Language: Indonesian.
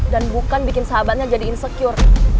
dan bukan bikin sahabatnya jadi insecure